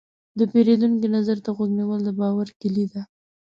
د پیرودونکي نظر ته غوږ نیول، د باور کلي ده.